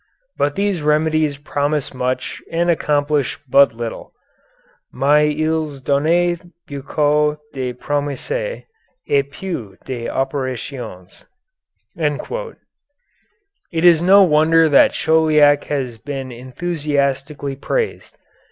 But these remedies promise much and accomplish but little mais ils donnent beaucoup de promesses, et peu, d'opérations." It is no wonder that Chauliac has been enthusiastically praised.